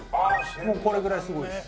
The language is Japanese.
もうこれぐらいすごいっす。